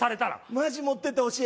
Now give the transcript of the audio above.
マジ持ってってほしい。